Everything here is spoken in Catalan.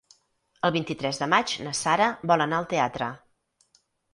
El vint-i-tres de maig na Sara vol anar al teatre.